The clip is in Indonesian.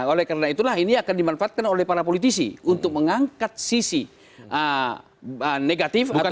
oleh karena itulah ini akan dimanfaatkan oleh para politisi untuk mengangkat sisi negatif